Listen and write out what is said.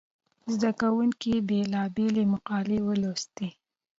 زده کوونکو بېلابېلې مقالې ولوستې.